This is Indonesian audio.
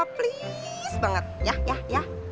please banget yah yah yah